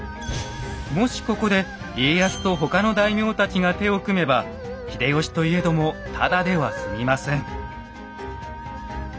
もしここで家康と他の大名たちが手を組めば秀吉といえどもただではすみません。